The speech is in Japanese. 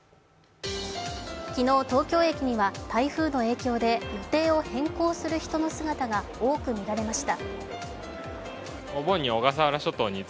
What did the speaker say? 昨日、東京駅には台風の影響で予定を変更する人の姿が多く見られました。